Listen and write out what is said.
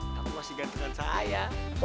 kamu masih ganti dengan saya